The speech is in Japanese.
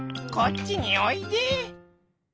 「こっちにおいで」。